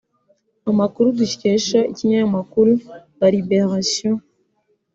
Amakuru dukesha Ikinyamakuru La Libération